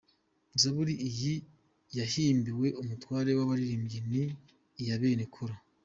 Zaburi iyi yahimbiwe umutware w’abaririmbyi. Ni iya bene Kōra.